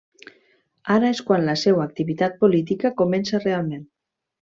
Ara és quan la seua activitat política comença realment.